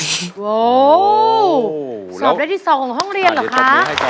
สอบได้ที่๒ของห้องเรียนเหรอคะ